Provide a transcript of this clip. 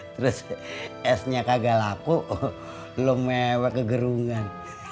terus esnya kagak laku lo mewah ke gerungan